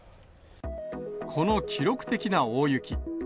この記録的な大雪。